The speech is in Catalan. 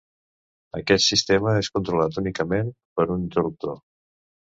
Aquest sistema és controlat únicament per un interruptor.